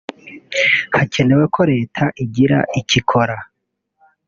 Hakenewe ko leta igira icyo ikora